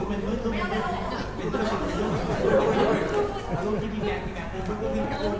เอาลูกเป็นทินครึ่งค่ะ